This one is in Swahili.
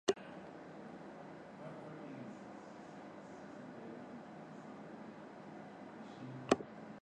Kwa sasa bangi ndio mmea wenye faida kubwa duniani na wakenya wanastahili kujua